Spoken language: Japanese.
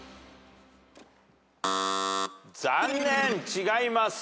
残念違います。